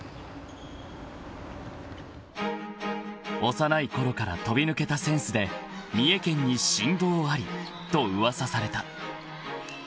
［幼いころから飛び抜けたセンスで三重県に神童ありと噂された］